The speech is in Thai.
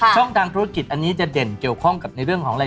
ทางธุรกิจอันนี้จะเด่นเกี่ยวข้องกับในเรื่องของอะไร